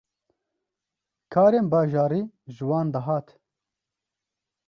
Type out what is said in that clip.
karên bajarî ji wan dihat.